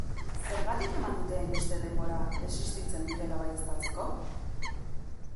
Zergatik eman dute hainbeste denbora existitzen direla baieztatzeko?